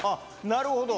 なるほど。